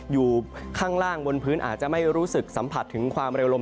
อยู่ข้างล่างบนพื้นอาจจะไม่รู้สึกสัมผัสถึงความเร็วลม